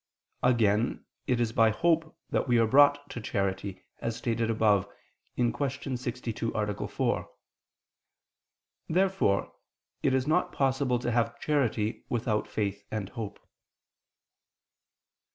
Again, it is by hope that we are brought to charity, as stated above (Q. 62, A. 4). Therefore it is not possible to have charity without faith and hope.